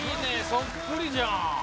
そっくりじゃん。